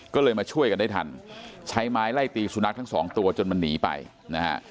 ก็เลยมาช่วยกันได้ทันใช้ไม้ไล่ตีสุนัขทั้งสองตัวจนมันหนีไปนะฮะ